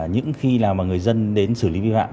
những khi là người dân đến xử lý vi phạm